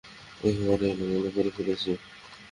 একেবারে এলোমেলো করে ফেলেছি।